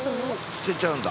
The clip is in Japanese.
捨てちゃうの？